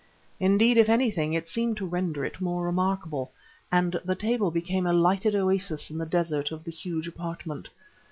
Indeed, if anything, it seemed to render it more remarkable, and the table became a lighted oasis in the desert of the huge apartment.